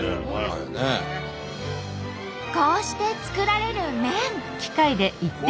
こうして作られる麺。